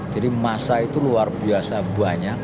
jadi masa itu luar biasa banyak